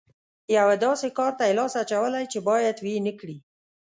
یوه داسې کار ته یې لاس اچولی چې بايد ويې نه کړي.